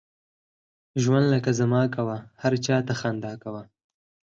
ژوند لکه زما کوه ، هر چاته خنده کوه!